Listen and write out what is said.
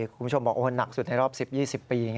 คุณผู้ชมบอกหนักสุดในรอบ๑๐๒๐ปี